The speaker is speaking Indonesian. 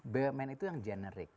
bumn itu yang generik